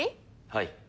はい。